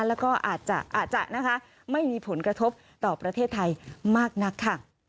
แล้วก็อาจจะไม่มีผลกระทบต่อประเทศไทยมากนักค่ะ